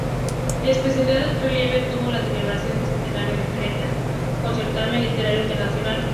Especial relieve tuvo la celebración del centenario de Pereda, con un certamen literario internacional.